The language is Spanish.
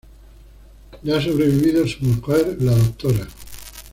Le ha sobrevivido su mujer la Dra.